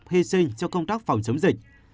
hy sinh cho công tác phòng chống dịch